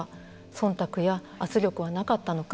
そんたくや圧力はなかったのか。